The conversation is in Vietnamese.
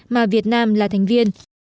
mà việt nam là thành viên